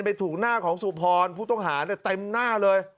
ไปถูกหน้าสุพรผู้ต้องหาใจจะแบนเต็มหน้าเลย